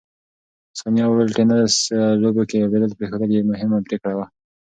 ثانیه وویل، ټېنس لوبو کې لوبېدل پرېښودل یې مهمه پرېکړه وه.